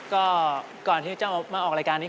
ก็ก่อนที่จะมาออกรายการนี้